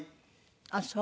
あっそう。